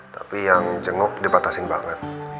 tapi yang jenguk dipatasin banget